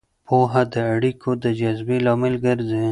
پوهه د اړیکو د جذبې لامل ګرځي.